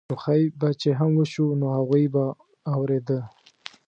ټوخی به چې هم وشو نو هغوی به اورېده.